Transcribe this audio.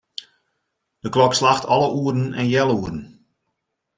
De klok slacht alle oeren en healoeren.